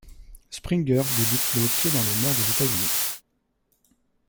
Springer débute le hockey dans le Nord des États-Unis.